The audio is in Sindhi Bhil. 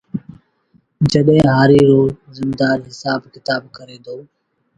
جڏهيݩ هآريٚ رو زميݩدآر هسآب ڪتآب ڪري دو